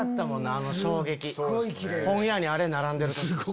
あの衝撃本屋にあれ並んでる時。